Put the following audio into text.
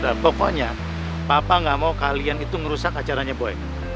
nah pokoknya papa gak mau kalian itu ngerusak acaranya boy